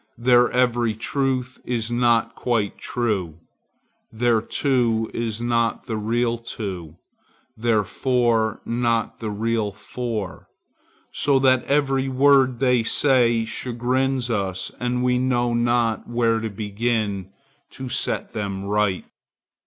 Their every truth is not quite true. Their two is not the real two, their four not the real four; so that every word they say chagrins us and we know not where to begin to set them right.